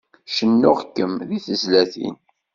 Cennuɣ-kem deg tizlatin.